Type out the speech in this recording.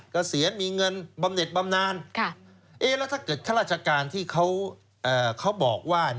เกษียณมีเงินบำเน็ตบำนานแล้วถ้าเกิดข้าราชการที่เขาบอกว่า